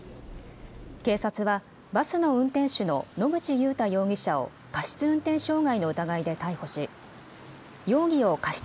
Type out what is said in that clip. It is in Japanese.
警察はバスの運転手の野口祐太容疑者を過失運転傷害の疑いで逮捕し容疑を過失